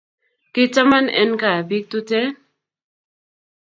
Kitaman en kaa pik Tuten